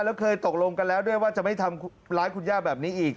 แล้วเคยตกลงกันแล้วด้วยว่าจะไม่ทำร้ายคุณย่าแบบนี้อีก